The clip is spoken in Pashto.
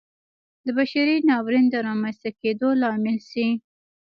د بشري ناورین د رامنځته کېدو لامل شي.